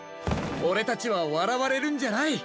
オレたちはわらわれるんじゃない！